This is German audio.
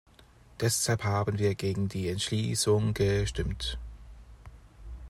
Deshalb haben wir gegen die Entschließung gestimmt!